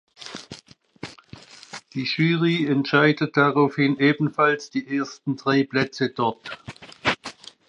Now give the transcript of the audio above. Die Jury entscheidet daraufhin ebenfalls die ersten drei Plätze dort.